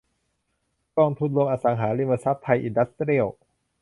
กองทุนรวมอสังหาริมทรัพย์ไทยอินดัสเตรียล